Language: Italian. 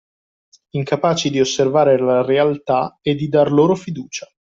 Incapaci di osservare la realtà e di dar loro fiducia.